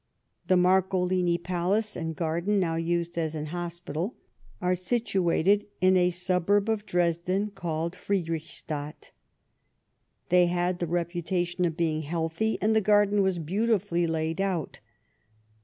The Marcolini palace and garden, now used as an hospital, are situated in a suburb of Dresden called Friedrichstadt. They had the reputation of being healthy, and the garden was beautifully laid out.